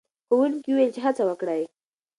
ښوونکی وویل چې هڅه وکړئ.